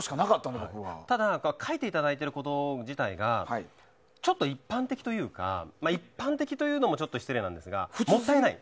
ただ書いていただいてること自体がちょっと一般的というか一般的というのも失礼なんですが、もったいない。